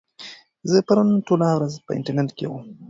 زه پرون ټوله ورځ په انټرنيټ کې وم.